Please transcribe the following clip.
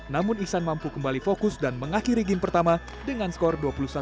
namun ihsan mampu kembali fokus dan mengakhiri game pertama dengan skor dua puluh satu dua belas